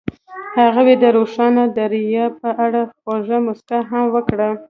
هغې د روښانه دریاب په اړه خوږه موسکا هم وکړه.